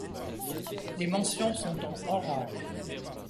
Les mentions sont en orange.